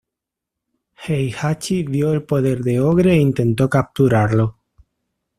Heihachi vio el poder de Ogre e intentó capturarlo.